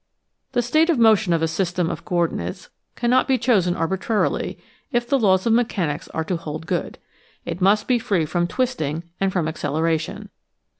The state of motion of a system of coordinates cannot be chosen arbitrarily if the laws of mechanics are to hold good (it must be free from twisting and from accelera tion).